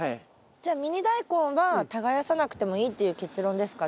じゃあミニダイコンは耕さなくてもいいっていう結論ですかね？